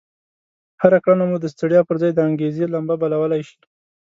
هره کړنه مو د ستړيا پر ځای د انګېزې لمبه بلولای شي.